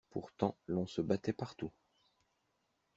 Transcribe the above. Pourtant l'on se battait partout.